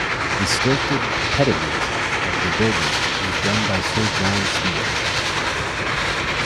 The sculpted pediment of the building was done by Sir John Steell.